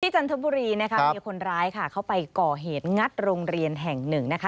จันทบุรีนะคะมีคนร้ายค่ะเขาไปก่อเหตุงัดโรงเรียนแห่งหนึ่งนะคะ